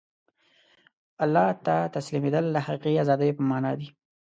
الله ته تسلیمېدل د حقیقي ازادۍ مانا ده.